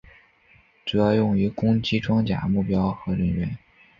主要用于攻击装甲目标和人员。